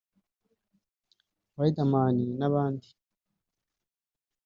Riderman n’abandi